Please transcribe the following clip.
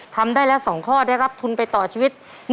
ทำได้แล้ว๒ข้อได้รับทุนไปต่อชีวิต